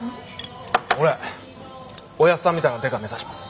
俺おやっさんみたいなデカ目指します！